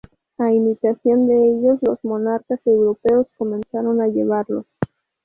A imitación de ellos, los monarcas europeos comenzaron a llevarlos.